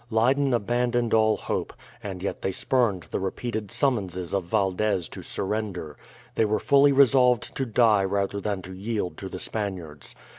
Leyden abandoned all hope, and yet they spurned the repeated summonses of Valdez to surrender. They were fully resolved to die rather than to yield to the Spaniards.